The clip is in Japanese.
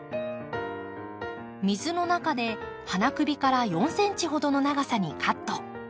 水の中で花首から４ｃｍほどの長さにカット。